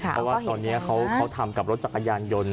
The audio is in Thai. เพราะว่าตอนนี้เขาทำกับรถจักรยานยนต์